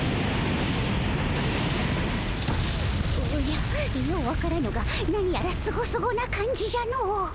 おじゃよう分からぬが何やらスゴスゴな感じじゃのう。